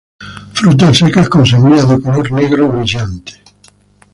Frutas secas, con semillas de color negro brillante.